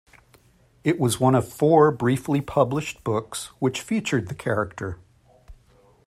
It was one of four briefly published books which featured the character.